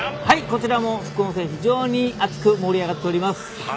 こちらも副音声で非常に熱く盛り上がっています。